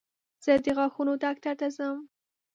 زه د غاښونو ډاکټر ته ځم.